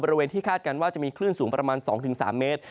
บริเวณที่คาดการณ์ว่าจะมีคลื่นสูงประมาณ๒๓เมตร